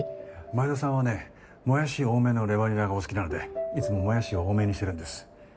前田さんはねモヤシ多めのレバニラがお好きなのでいつもモヤシを多めにしてるんです。